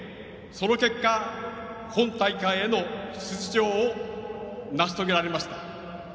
その結果、今大会への出場を成し遂げられました。